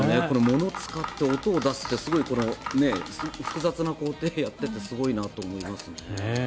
これ、物を使って音を出すってすごい複雑な工程をやっててすごいなと思いますね。